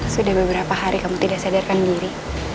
sudah beberapa hari kamu tidak sadarkan diri